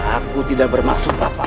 aku tidak bermaksud apa